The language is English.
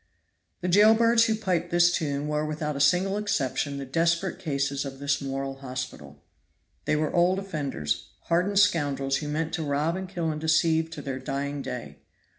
The jail birds who piped this tune were without a single exception the desperate cases of this moral hospital. They were old offenders hardened scoundrels who meant to rob and kill and deceive to their dying day.